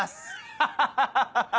ハハハハ！